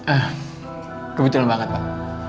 eh kebetulan banget pak